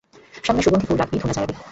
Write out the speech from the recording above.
সামনে সুগন্ধি ফুল রাখবি, ধুনা জ্বালবি।